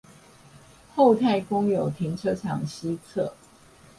厚泰公有停車場西側